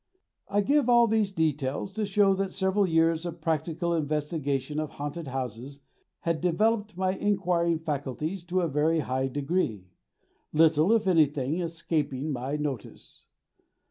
I give all these details to show that several years of practical investigation of haunted houses had developed my inquiring faculties to a very high degree, little, if anything, escaping my notice.